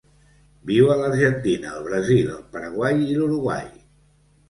Viu a l'Argentina, el Brasil, el Paraguai i l'Uruguai.